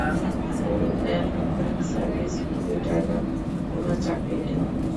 Pullman, room service, কুলি, driver, কোনো চাকরি নেই?